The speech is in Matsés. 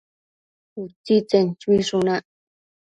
Utsitsen chuishunac